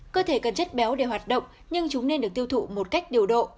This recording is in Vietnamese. cơ thể cần chất béo để hoạt động nhưng chúng nên được tiêu thụ một cách điều độ